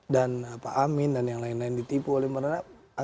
dan pak amin dan yang lain lain ditipu oleh baratna